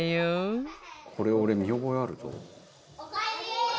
「これ俺見覚えあるぞ」